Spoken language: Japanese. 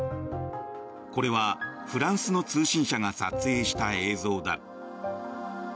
これはフランスの通信社が撮影した映像だ。